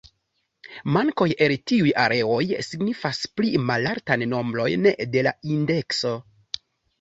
Mankoj el tiuj areoj signifas pli malaltan nombrojn de la indekso.